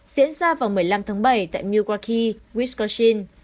diễn ra vào một mươi năm tháng bảy tại milwaukee wisconsin